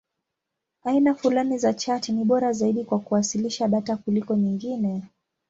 Aina fulani za chati ni bora zaidi kwa kuwasilisha data kuliko nyingine.